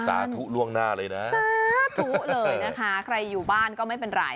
สาธุล่วงหน้าเลยนะสาธุเลยนะคะใครอยู่บ้านก็ไม่เป็นไร